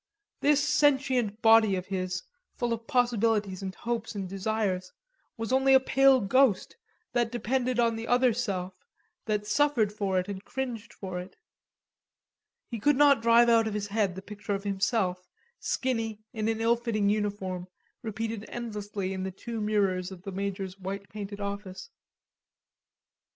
This sentient body of his, full of possibilities and hopes and desires, was only a pale ghost that depended on the other self, that suffered for it and cringed for it. He could not drive out of his head the picture of himself, skinny, in an illfitting uniform, repeated endlessly in the two mirrors of the Major's white painted office.